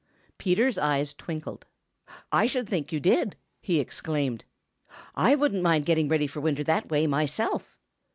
Peter's eyes twinkled. "I should think you did!" he exclaimed. "I wouldn't mind getting ready for winter that way myself."